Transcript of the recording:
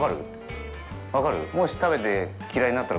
分かる？